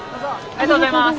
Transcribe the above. ありがとうございます。